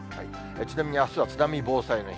ちなみにあすは津波防災の日。